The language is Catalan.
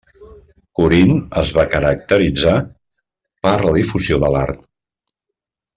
Corint es va caracteritzar per la difusió de l'art.